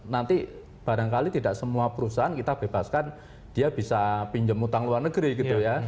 nanti barangkali tidak semua perusahaan kita bebaskan dia bisa pinjam utang luar negeri gitu ya